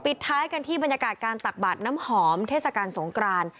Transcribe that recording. ท้ายกันที่บรรยากาศการตักบาดน้ำหอมเทศกาลสงกราน